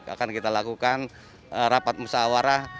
akan kita lakukan rapat musawarah